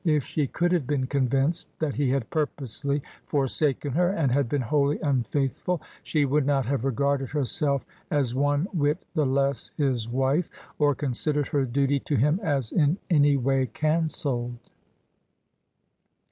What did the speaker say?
If she could have been convinced that he had purposely forsaken her and had been wholly unfaithful, she would not have iregarded herself as one whit the less his wife, or considered her duty to him as in any way cancelled.